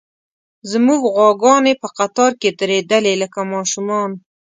زموږ غواګانې په قطار کې درېدلې، لکه ماشومان.